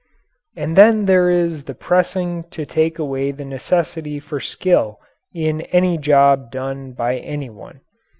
And then there is the pressing to take away the necessity for skill in any job done by any one.